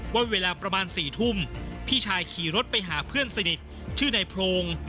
ว่าเวลาประมาณ๔ทุ่มพี่ชายขี่รถไปหาเพื่อนสนิทชื่อนายโพรง